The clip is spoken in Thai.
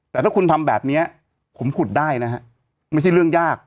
แต่ถ้าคุณทำแบบนี้ผมขุดได้นะฮะไม่ใช่เรื่องยาก